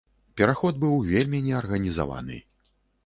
Пераход быў вельмі неарганізаваны.